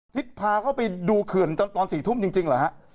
นี่พาเข้าไปดูเขื่อนตอน๔ทุ่มจริงเหรอฮะ